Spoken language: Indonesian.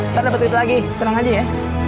ntar dapat itu lagi tenang aja ya